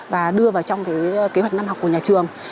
và đưa vào trong kế hoạch năm học của nhà trường